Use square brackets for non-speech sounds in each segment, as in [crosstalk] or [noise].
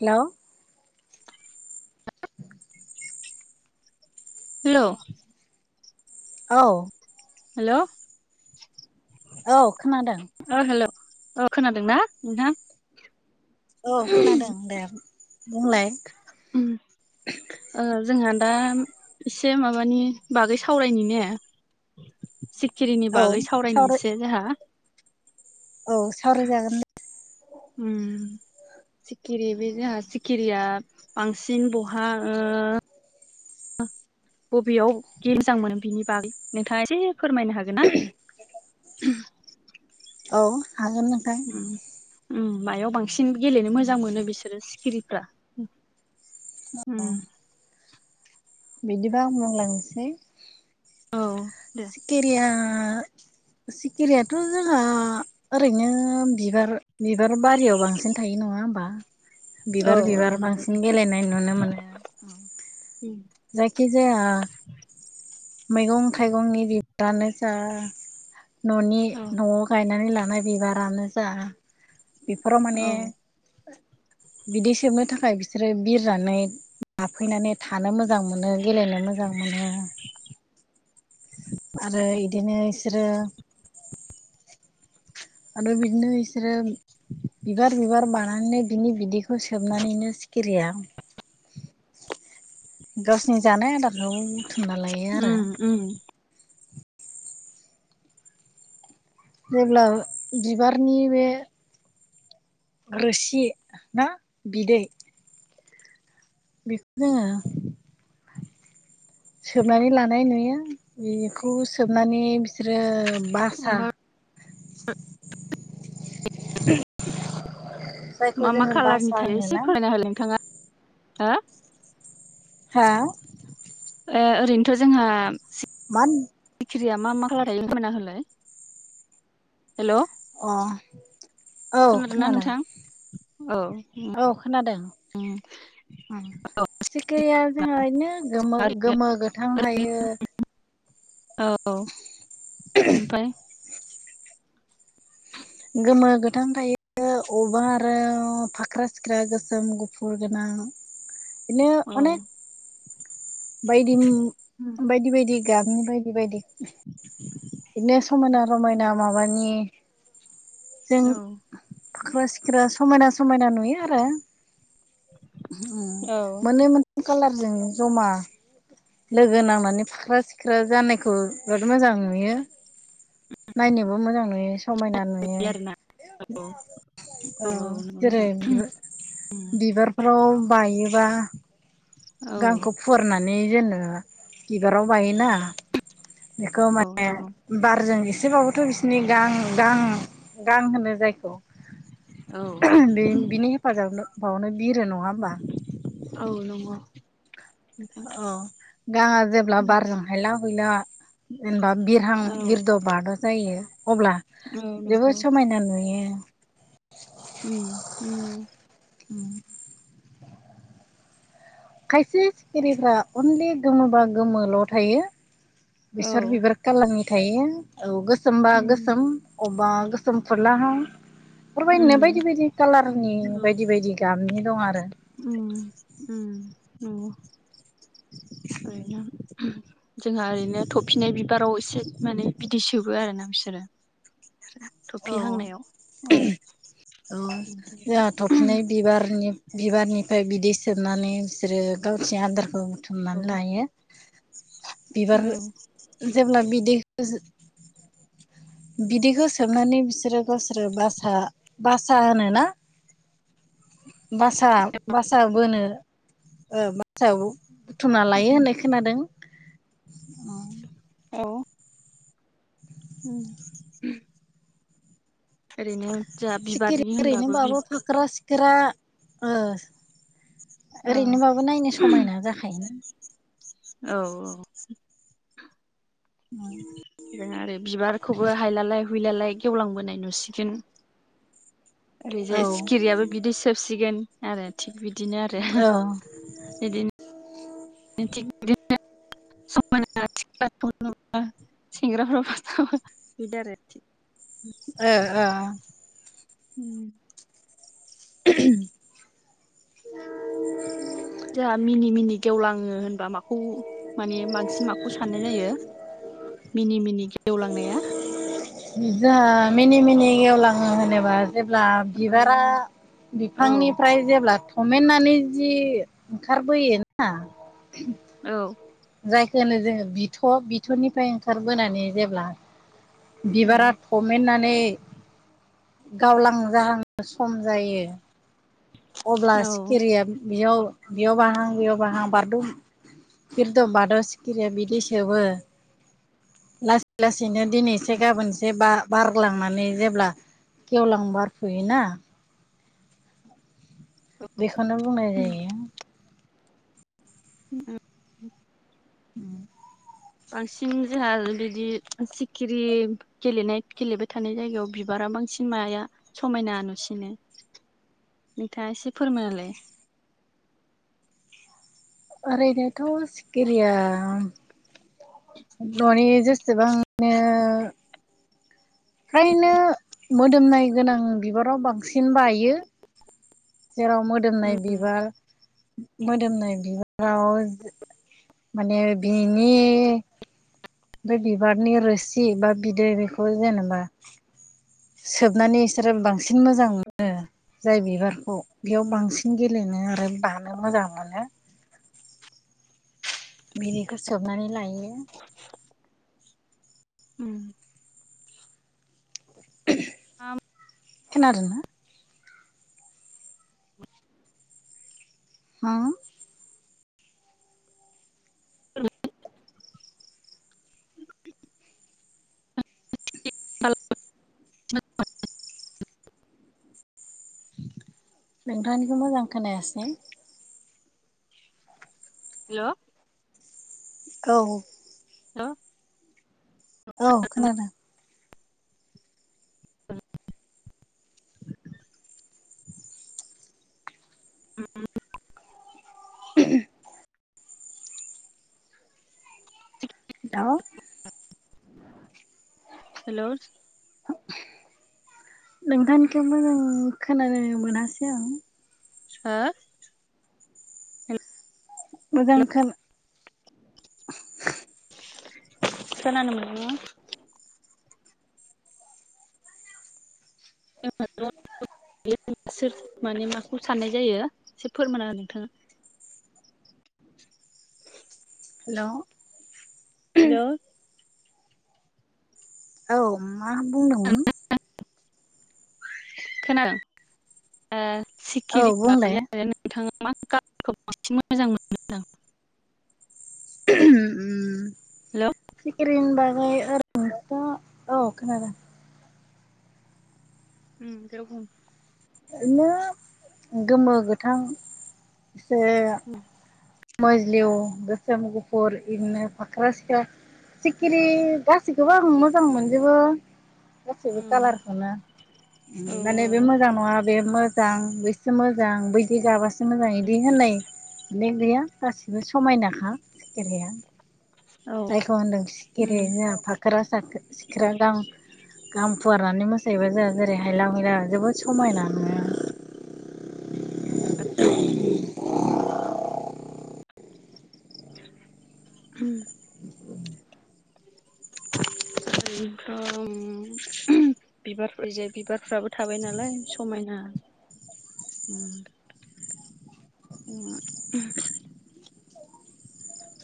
हेल' hello औ। Hello. औ खोनादों। अ हेलौ अ खोनादों ना नोंथां। औ खोनादों दे बुंलाय उम जोंहा दा एसे माबानि बागै सावरायनि ने औ बागै जोंहा सावरायनो सावराय एसे औ सावराय जागोन उम सिखिरि बे जोंहा सिखिरिया बांसिन बहा ओ ओ आ बबेयाव गे मोजां मोनो बिनि बागै नोंथाङा एसे फोरमायनो हागोन ना। [inaudible] औ हागोन नोंथां ओम मायाव बांसिन गेलेनो मोजां मोनो बिसोरो गिरिफ्रा उम बिदिबा आं बुंलांनोसै औ। दे मेलेमा सिखिरियाथ‌' जोंहा ओरैनो बिबार बिबार बारियाव बांसिन थायो नङा होमबा? औ बिबार औ बिबार नंगौ। बांसिन गेलेनाय नुनो मोनो। उम जायखि‌ जाया मैगं थाइगंनि बिबदानो जा न'नि औ न'आव गायनानै लानाय बिबारानो जा बेफोराव औ माने बिदै सोबनो थाखाय बिसोरो बिरनानै हाबफैनानै थानो मोजां मोनो गेलेनो मोजां मोनो। आरो बिदिनो बिसोरो आरो बिदिनो बिसोरो बिबार बिबार बानानै बिनि बिदैखौ फो सोबनानैनो सिखिरिया गावसिनि जानाय आदारखौ बुथुमना लायो आरो उम उम। जेब्ला बिबारनि बे रोसि ना बिदै बेखौ जोङो सोबनानै लानाय नुयो बेखौ सोबनानै बिसोरो बासा ओमफाय [inaudible] मा मा खाालारनि बासा थायो एसे होनोना फरायना होलाय नोंथाङा हो हा ओरैनोथ' जोंहा मान सिखिरिया मा मा खालार थायो फोरमायना होलाय हेल' अ औ खोनादोंना खोनादों। नोंथां औ खोनादों। उम सिखिरिया जोंहा बिदिनो गोमो ओरैनो गोमो गोथां थायो औ ओमफ्राय गोमो गोथां थायो औ अबेबा आरो फाखा सिख्रा गोसोम गुफुर बिदिनो औ अने बायदि बायदि बायदि गाबनि बायदि बायदि बिदिनो समायना रमायना माबानि जों औ फाख्रा सिख्रा समायना समायना नुयो आरो औ मोननै [unintelligible] खालार जों जमा लोगो नांनानै फाख्रा सिख्रा जानायखौ बिराद मोजां नुयो नायनोबो मोजां नुयो समायना नुयो बिदि आरोना औ जेरै बिबारफ्राव बायोबा नोंथां गांखौ फुवारनानै जोनो बिबाराव बायोना बेखौ औ माने नंगौ बारजों एसेबाबोथ बिसनि गां गां गां होनो जायखौ औ बि बिनि हेफाजाब बावनो बिरो नङा होमबा औ नंगौ नोंथां अ गांआ जेब्ला बारजों हायला हुयला जेनेबा बिरहां औ बिरद बाद जायो अब्ला औ जोबोद नंगौ समायना नुयो उम-उम उम खायसे सिखिरिफ्रा अनलि गोमोबा गोमोल थायो औ बेसर बिबार कालारनि थायो औ गोसोमबा उम गोसोम अब बा गोसोम फुरलाहां बेफोरबायदिनो उम बायदि बायदि कालारनि औ बायदि बायदि गाबनि दं आरो उम उम नंगौ ओरैनो जोंहा ओरैनो थफिनाय बिबाराव एसे माने बिदै सोबो आरोना बिसोरो औ थफि हांनायाव औ बिदि आरो जोंहा थफिनाय बिबारनि बिबारनिफ्राय बिदै सोबनानै बिसोरो गावसिनि आदारखौ बुथुमनानै लायो बिबार औ जेब्ला बिदैखो बिदैखौ सोबनानै बिसोरो गावसोरो बासा बासा होनो ना बासा बासा बोनो ओ बाासायाव बुथुमना लायो होननाय खोनादों औ ओरैनो ओ जोंहा बिबादि होनबाबो गोरा ओ औ ओरैनोबाबो नायनो समायना जाखायो औ-औ [inaudible] आरो बिबारखौबो हायलालाय हुइलालाय गेवलांबोनाय नुसिगोन औ ओरैजाय ओ सिखिरियाबो बिदै सोबसिगोन आरो थिग बिदिनो आरो ओ बिदिनो थिग बिदिनो समायना [unintelligible] सेंग्राफोरा बिदि आरो ओ ओ अम [inaudible] जोंहा मिनि मिनि गेवलाङो होनबा माखौ माने बांसिन माखौ साननाय जायो मिनि मिनि गेवलांनाया जोंङो मिनि मिनि एवलाङो होनोबा जेब्ला बिबारा औ बिफांनिफ्राय जेब्ला थमेन्नानै जि ओंखारबोयोना औ जायखो होनो जोंङो बिथ‌ बिथनिफ्राय ओंखारबोनानै जेब्ला बिबारा थमेेननानै गावलां जाहांनो सम जायो। अब्ला सिखिरिया बियाव बेयाव बाहां बेयाव बाहां बारदुम बिरद बाद सिखिरिया बिदै सोबो। लासै लासैनो दिनै एसे गाबोन एसे बार-बारग्लांनानै जेब्ला गेवलां बारफुयोना बेखौनो बुंनाय जायो। अम बांसिन जोंहा बिदि सिखिरि गेलेनाय गेलेबाय थानाय जायगायाव बिबारा बांसिन माया समायना नुसिनो। नोंथांङा एसे फोरमायना होलाय ओरैनोथ' सिखिरिया न'नि जेसेबां नो फ्रायनो मोदोमनाय गोनां बिबाराव बांसिन बायो। जेराव मोदोमनाय बिबार मोदोमनाय बिबाराव माने बिनि बे बिबारनि रोसि बा बिदै बेखौ जेनेबा सोबनानै इसोरो बांसिन मोजां औ ओ जाय बिबारखौ बेयाव बांसिन गेलेनो आरो बानो मोजां मोनो। बिदिखौ सोबनानै लायो। हेल' [inaudible] आम खोनादोंना अम [inaudible] [unintelligible] नोंथांनिखौ मोजां खोनायासै हेलौ औ हेलौ औ खोनादों [unintelligible] [unintelligible] [inaudible] दाव हेल' नोंथांखौ मोजां खोनानो मोनासै आं हो मोजां खो खोनानो मोननिया [unintelligible] सोर माने माखौ साननाय जायो एसे फोरमाना नोंथाङा हेल' हेल' औ मा बुंदोंमोन। खोनादों ओ औ सिखिरि बुंलाय माबया आरो नों थाङा मा कालारखौ बांसिन मोजां मोनो। उम हेल' सिखिरिनि बागै ओरैनोथ' औ खोनादों। अम दे बुं ओरैनो गोमो, गोथां से उम मोजलिव, गोसोम, गुफुर इदिनो फाक्रा-सिख्रा सिखिरि गासैखौबो आं मोजां मोनजोबो। गासैबो हेल' कालारखौनो औ माने बे ओरैनोथ' मोजां नङा बे मोजां बैसो मोजां बैदि गाबासो मोजां बिदि होननाय [inaudible] माने गैया गासिबो समायनाखा सिखिरिहा जायखौ होनदों सिखिरि जोंहा फाखोरा सिख्रा गां गां फुवारनानै मोसायोबा जोंहा जेरै हायला हैला जोबोद समायना नुयो। [inaudible] [inaudible] [unintelligible] बिबारफोर जे बिबारफ्राबो थाबाय नालाय समायना उ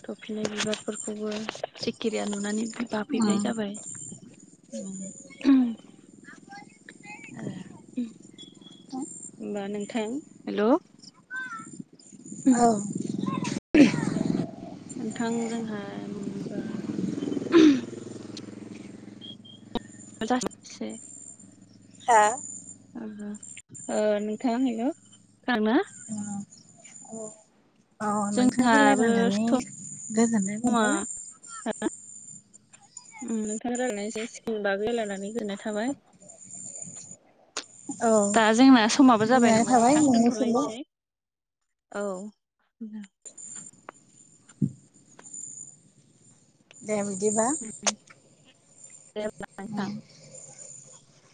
थफिनाय बिबारफोरखौबो सिखिरिया नुनानै उम बाफैनाय जाबाय आरो। होनबा नोंथां हेल' औ नोंथां जोंहा उमबा जासे हो ओ औ नोंथां हेल' थां अ जोंहाबो रायलायनानै गोजोननाय समबा मोनबाय [unintelligible] उ नोंथां रनायस स्किम बागोलायनानै गोननाय थाबाय औ दा जोंना समाबो जाबाय गोजोननाय नामा थाबाय नोंथां नोंनिसिमबो दोनथ'लायसै औ दे बिदिबा दे होमबा उ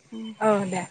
उ औ दे।